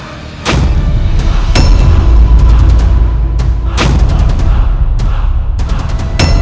jangan panggil aku bocah